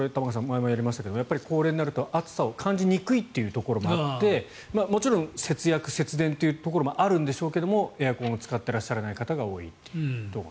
前もやりましたが、高齢になると暑さを感じにくいというところがあってもちろん、節約、節電というところもあるんでしょうがエアコンを使っていらっしゃらない方が多いと。